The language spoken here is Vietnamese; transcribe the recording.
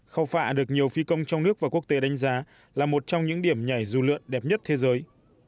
khao phạ được nhiều phi công trong nước và quốc tế đánh giá là một trong những điểm nhảy dù lượn đẹp nhất thế giới